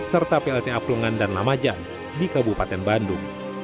serta plta plungan dan lamajan di kabupaten bandung